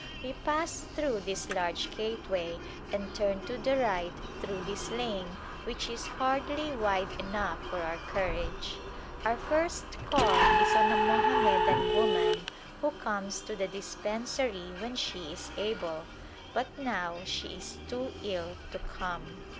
We pass through this large gate way and turn to the right through this lane which is hardly wide enough for our carriage. Our first call is on a Mohammedan woman who comes to the dispen sary when she is able, but now she is too ill to come.